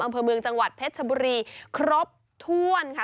อำเภอเมืองจังหวัดเพชรชบุรีครบถ้วนค่ะ